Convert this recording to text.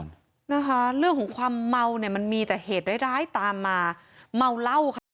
นะคะเรื่องของความเมาเนี่ยมันมีแต่เหตุร้ายร้ายตามมาเมาเหล้าค่ะ